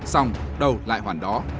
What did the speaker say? xong đầu lại hoàn đó